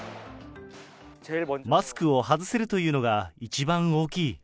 マスクを外せるというのが一番大きい。